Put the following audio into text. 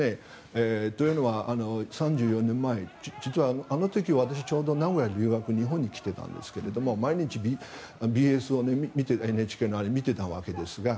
というのは３４年前実はあの時私ちょうど名古屋にいて日本に来ていたんですが毎日、ＮＨＫのＢＳを見ていたわけですが。